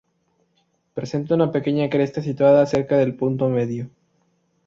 Presenta una pequeña cresta situada cerca del punto medio.